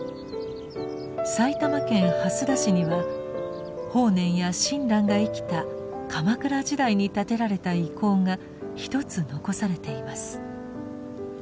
埼玉県蓮田市には法然や親鸞が生きた鎌倉時代に建てられた遺構が一つ残されています。